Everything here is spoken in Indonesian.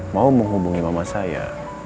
mau menghubungi mama saya